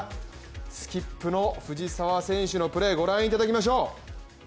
スキップの藤澤選手のプレーご覧いただきましょう。